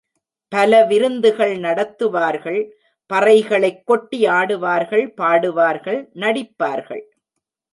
பல விருந்து கள் நடத்துவார்கள் பறைகளைக் கொட்டி ஆடுவார்கள், பாடுவார்கள், நடிப்பார்கள்.